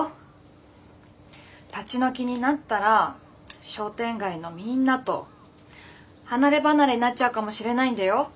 立ち退きになったら商店街のみんなと離れ離れになっちゃうかもしれないんだよ。